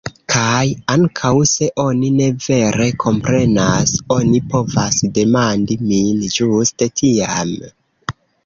Kaj ankaŭ se oni ne vere komprenas, oni povas demandi min ĝuste tiam.